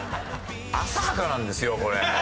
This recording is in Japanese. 浅はかなんですよこれ。